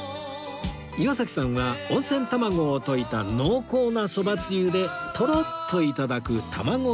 岩崎さんは温泉卵を溶いた濃厚なそばつゆでトロッと頂く玉子